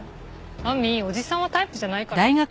亜美おじさんはタイプじゃないから。